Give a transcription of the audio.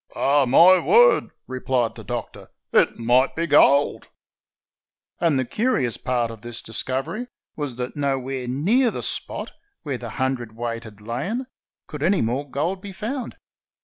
"Ah! my word," replied the Doctor, "it might be gold." And the curious part of this discovery was that nowhere near the spot where the hundredweight had lain could any more gold be found.